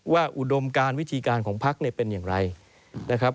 อุดมการวิธีการของพักเนี่ยเป็นอย่างไรนะครับ